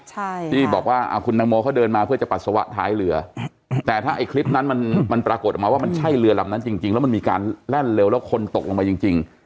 ใช่ที่บอกว่าคุณตังโมเขาเดินมาเพื่อจะปัสสาวะท้ายเรือแต่ถ้าไอ้คลิปนั้นมันมันปรากฏออกมาว่ามันใช่เรือลำนั้นจริงจริงแล้วมันมีการแล่นเร็วแล้วคนตกลงไปจริงจริง